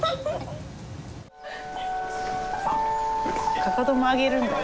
かかとも上げるんだよ。